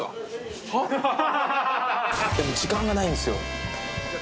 時間がないんですよ。